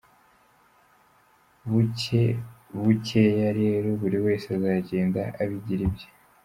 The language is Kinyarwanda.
Bukebukeya rero, buri wese azagenda abigira ibye.